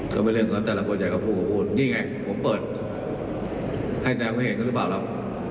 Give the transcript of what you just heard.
ก็เป็นเรื่องของแต่ละคนอยากจะพูดก็พูดนี่ไงผมเปิดให้แสดงความเห็นกันหรือเปล่าล่ะ